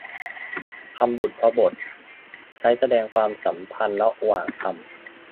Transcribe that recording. คำบุพบท ใช้แสดงความสำพันธ์ระหว่างคำ